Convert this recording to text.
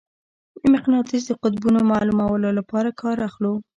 د مقناطیس د قطبونو معلومولو لپاره کار اخلو.